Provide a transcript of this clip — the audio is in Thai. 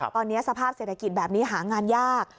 ตอนนี้สภาพเศรษฐกิจแบบนี้หางานยาก